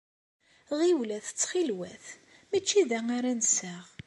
Ɣiwlet ttxil-wat, mačči da ara nseɣ!